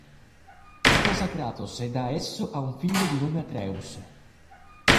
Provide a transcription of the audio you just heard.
Sposa Kratos e da esso ha un figlio di nome Atreus.